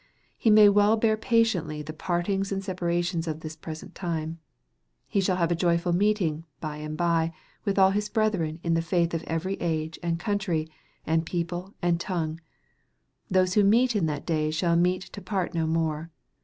He may well bear patiently the partings and separations of this present time. He shall have a joyful meeting, by and bye, with all his brethren in the faith, of every age, and country, and people, and tongue. Those who meet, in that day, shall meet to part no more.